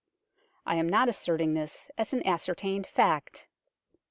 I am not asserting this as an ascertained fact.